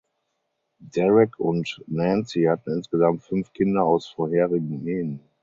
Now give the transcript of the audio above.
Derek und Nancy hatten insgesamt fünf Kinder aus vorherigen Ehen.